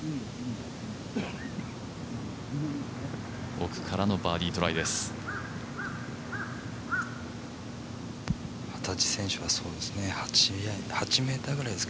奥からのバーディートライです。